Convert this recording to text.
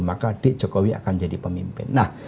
maka jokowi akan jadi pemimpin